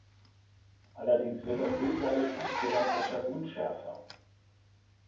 Allerdings wird das Bild dadurch insgesamt etwas unschärfer.